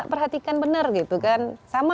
perhatikan benar gitu kan sama